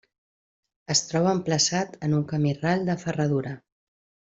Es troba emplaçat en un camí ral de ferradura.